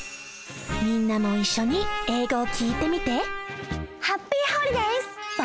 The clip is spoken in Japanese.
みんなもいっしょに英語を聞いてみて！